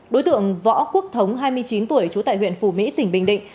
đối tượng võ quốc thống hai mươi chín tuổi trú tại huyện phù mỹ tỉnh bình định